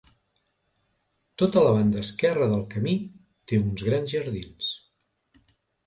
Tota la banda esquerra del camí té uns grans jardins.